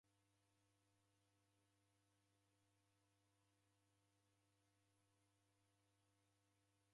Johana ni m'bori mbaha, wamanyikie kose